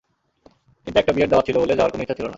কিন্তু একটা বিয়ের দাওয়াত ছিল বলে যাওয়ার কোনো ইচ্ছা ছিল না।